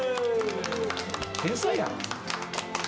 天才やな。